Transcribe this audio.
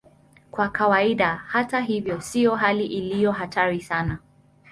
Kwa kawaida, hata hivyo, sio hali iliyo hatari sana.